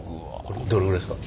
どれぐらいですか？